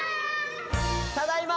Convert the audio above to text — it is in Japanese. ただいま！